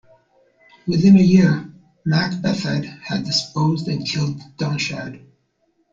Within a year, Mac Bethad had deposed and killed Donnchad.